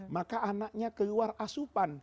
maka anaknya keluar asupan